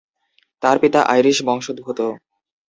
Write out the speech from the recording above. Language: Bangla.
তার পিতা আইরিশ বংশোদ্ভূত।